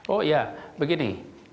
oh ya begini